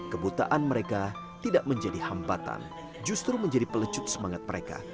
kebutaan mereka tidak menjadi hambatan justru menjadi pelecut semangat mereka